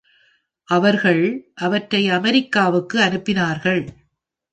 அவர்கள் அவற்றை அமெரிக்காவுக்கு அனுப்பினார்கள்.